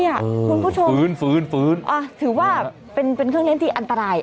คุณผู้ชมฟื้นฟื้นฟื้นถือว่าเป็นเครื่องเล่นที่อันตราย